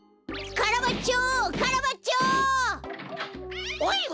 カラバッチョ！